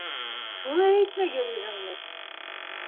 Шуны әйтмәй йөрөйһөңмө?!